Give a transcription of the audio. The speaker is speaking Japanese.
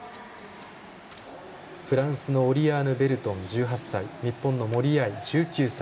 フランスのオリアーヌ・ベルトン１８歳日本の森秋彩、１９歳